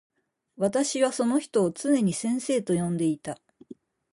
私はその人をつねに先生と呼んでいた。